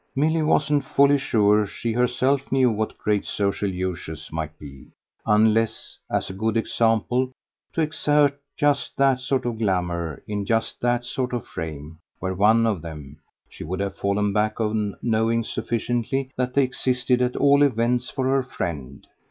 Milly wasn't wholly sure she herself knew what great social uses might be unless, as a good example, to exert just that sort of glamour in just that sort of frame were one of them: she would have fallen back on knowing sufficiently that they existed at all events for her friend.